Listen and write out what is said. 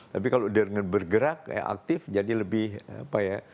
tapi kalau dengan bergerak aktif jadi lebih apa ya